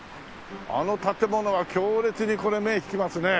あの建物が強烈にこれ目を引きますね。